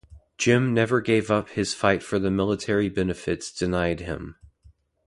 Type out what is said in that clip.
Jim never gave up his fight for the military benefits denied him.